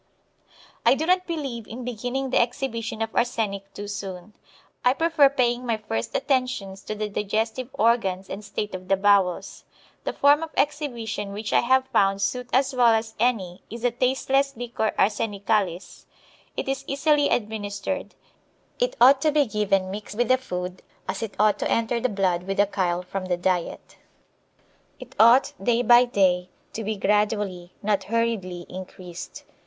I do not believe in beginning the exhibition of arsenic too soon. I prefer paying my first attentions to the digestive organs and state of the bowels. The form of exhibition which I have found suit as well as any is the tasteless Liquor arsenicalis. It is easily administered. It ought to be given mixed with the food, as it ought to enter the blood with the chyle from the diet. It ought, day by day, to be gradually, not hurriedly, increased.